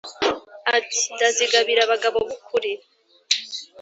Ati: Ndazigabira abagabo b'ukuri